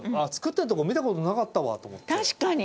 確かに。